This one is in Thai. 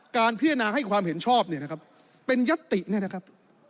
การพิจารณาให้ความเห็นชอบเนี่ยนะครับเป็นยัตติเนี่ยนะครับ